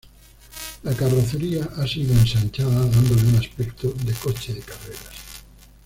La carrocería ha sido ensanchada dándole un aspecto de coche de carreras.